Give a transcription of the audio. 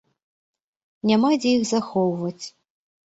Няма дзе іх захоўваць.